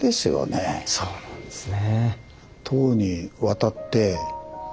あぁそうなんですね。